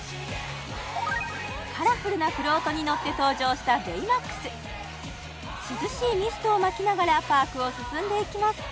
カラフルなフロートに乗って登場したベイマックス涼しいミストをまきながらパークを進んでいきます